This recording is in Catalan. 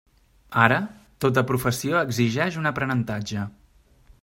Ara, tota professió exigeix un aprenentatge.